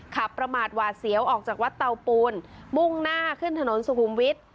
ประมาทหวาดเสียวออกจากวัดเตาปูนมุ่งหน้าขึ้นถนนสุขุมวิทย์